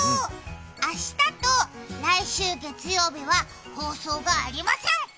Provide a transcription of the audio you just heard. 明日と来週月曜日は放送がありません。